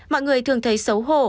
mọi người thường thấy xấu hổ